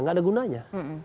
tidak ada gunanya